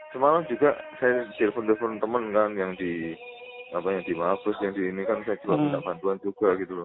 semalam juga saya telfon telefon temen kan yang di mabus yang di ini kan saya juga minta bantuan juga gitu loh